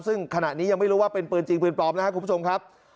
ซึ่งขณะนี้ยังไม่รู้ว่าเป็นปืนจริงปืนปลอมนะครับคุณผู้ชมครับ